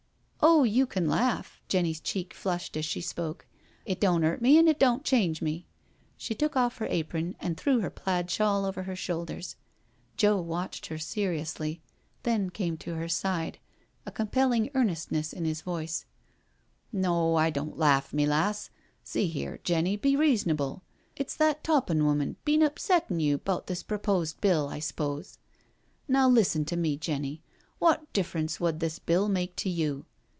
" Oh, you can laugh." Jenny's cheek flushed as she spoke. " It don't 'urt me and it don't change me.'* She took off her apron and threw her plaid shawl over her shoulders. Joe watched her seriously, then came to her side, a compelling earnestness in his voice :" No, I don't laugh, me lass. See here, Jenny, be reasonable. It's that Toppin woman been upsettin' you 'bout this proposed Bill, I s'pose. Now listen to me, Jenny— wot difference wud this Bill make to you?